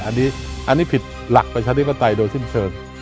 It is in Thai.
อันนี้ผิดหลักประชาธิปไตยโดยสิ้นเชิง